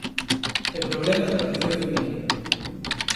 E problemas no Liceo feminino.